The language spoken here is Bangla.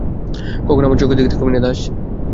কখনও আমার চোখের দিকে তাকাবি না, দাস।